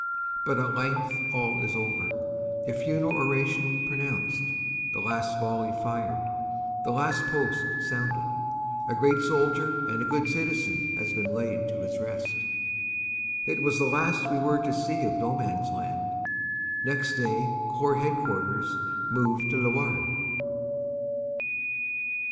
But at length all is over; the funeral oration pronounced, the last volley fired, the Last Post sounded ; a great soldier and good citizen has been laid to his rest. It was the last we were to see of No Man s Land. Next day Corps Headquarters move to Lewarde.